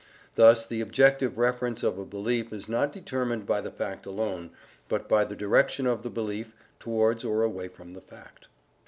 Thus the objective reference of a belief is not determined by the fact alone, but by the direction of the belief towards or away from the fact.